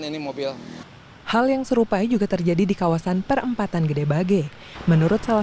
ini mobil hal yang serupa juga terjadi di kawasan perempatan gede bage menurut salah